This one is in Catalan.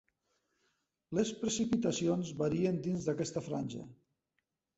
Les precipitacions varien dins d'aquesta franja.